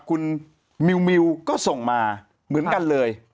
คุณมิวก็ส่งมาเหมือนกันเลย